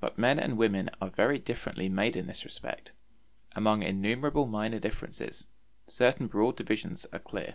But men and women are very differently made in this respect. Among innumerable minor differences, certain broad divisions are clear.